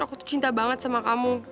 aku cinta banget sama kamu